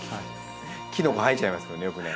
キノコ生えちゃいますよねよくね。